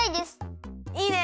いいね！